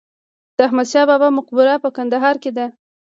د احمد شاه بابا مقبره په کندهار کې ده